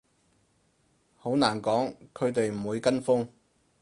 好難講，佢哋唔會跟風